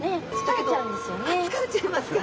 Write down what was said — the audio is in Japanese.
疲れちゃいますか。